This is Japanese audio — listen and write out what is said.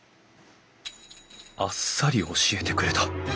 あっさり教えてくれた。